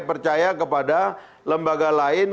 percaya kepada lembaga lain